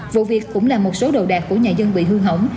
vụ việc cũng làm một số đồ đạc của nhà dân bị hư hỏng